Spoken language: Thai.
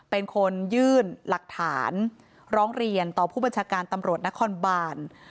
เป็นคนยื่นหลักฐานร้องเรียนต่อผู้บัญชาการตำรวจนครบาน